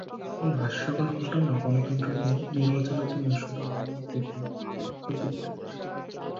এমন হাস্যকর ঘটনা গণতন্ত্র এবং নির্বাচনের জন্য শুধু মর্মান্তিক নয়, আত্মবিধ্বংসী।